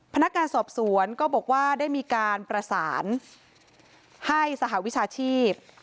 พนักงานสอบสวนก็บอกว่าได้มีการประสานให้สหวิชาชีพ